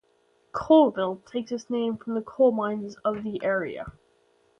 Coalville takes its name from the coal mines of the area.